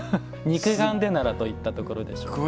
肉眼でならといったところでしょうか。